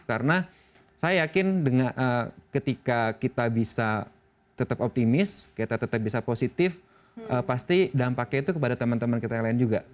karena saya yakin ketika kita bisa tetap optimis kita tetap bisa positif pasti dampaknya itu kepada teman teman kita yang lain juga